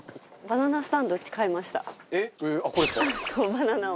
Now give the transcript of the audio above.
バナナを。